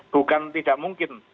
bukan tidak mungkin